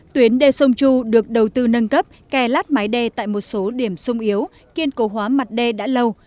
tuyến đê sông chu được đầu tư nâng cấp kè lát mái đê tại một số điểm sung yếu kiên cố hóa mặt đê đã lâu